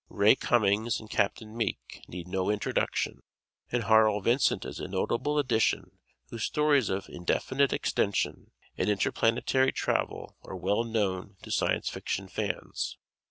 Ray Cummings and Captain Meek need no introduction. And Harl Vincent is a notable addition whose stories of "Indefinite Extension" and interplanetary travel are well known to Science Fiction fans.